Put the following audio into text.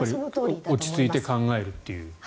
落ち着いて考えるという。